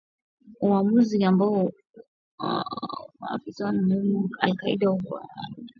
Uamuzi ambao maafisa wanalaumu kwa kuruhusu ushirika wa al-Qaida kukua na kuwa na nguvu zaidi na hatari sana